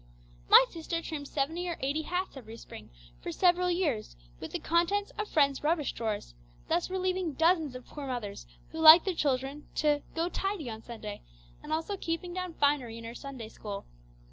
My sister trimmed 70 or 80 hats every spring for several years with the contents of friends' rubbish drawers, thus relieving dozens of poor mothers who liked their children to 'go tidy on Sunday,' and also keeping down finery in her Sunday school.